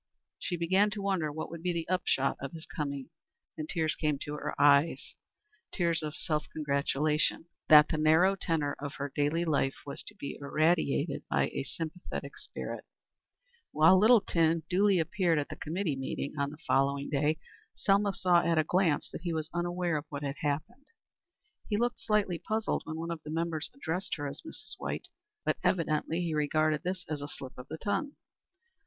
She began to wonder what would be the upshot of his coming, and tears came to her eyes, tears of self congratulation that the narrow tenor of her daily life was to be irradiated by a sympathetic spirit. When Littleton duly appeared at the committee meeting on the following day, Selma saw at a glance that he was unaware of what had happened. He looked slightly puzzled when one of the members addressed her as Mrs. White, but evidently he regarded this as a slip of the tongue.